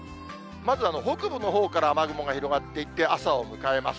まず北部のほうから雨雲が広がっていって、朝を迎えます。